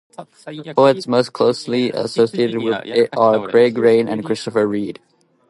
Poets most closely associated with it are Craig Raine and Christopher Reid.